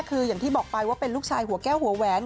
คืออย่างที่บอกไปว่าเป็นลูกชายหัวแก้วหัวแหวน